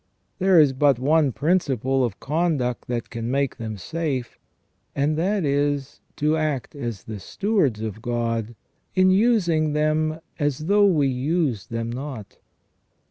There is but one principle of conduct that can make them safe, and that is to act as the stewards of God in using them as though we used them not.